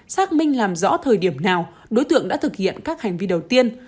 xác minh làm rõ thời điểm nào đối tượng đã thực hiện các hành vi đầu tiên